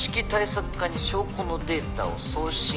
課に証拠のデータを送信。